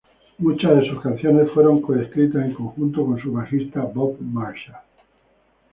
Muchas de sus canciones fueron co-escritas en conjunto con su bajista Bob Marshall.